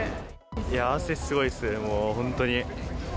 いや、汗すごいです、もう本当に。